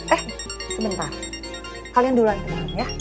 eh sebentar kalian duluan tuhan ya